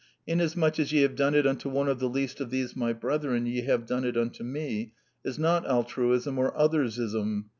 " Inasmuch as ye have done it unto one of the least of these my brethren ye have done it unto me " is not Altruism or Otherslsm.